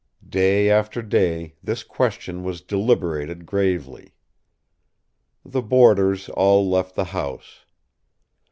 Day after day this question was deliberated gravely. The boarders all left the house.